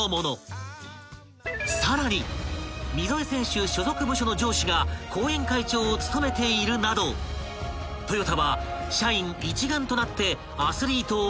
［さらに溝江選手所属部署の上司が後援会長を務めているなどトヨタは社員一丸となってアスリートを支援しているのだ］